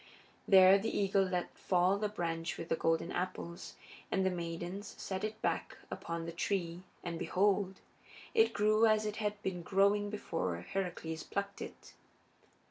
There the eagle let fall the branch with the golden apples, and the maidens set it back upon the tree, and behold! it grew as it had been growing before Heracles plucked it.